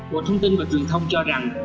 bộ thông tin và truyền thông cho rằng